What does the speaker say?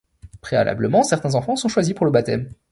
Préalablement certains enfants sont choisis pour le baptême.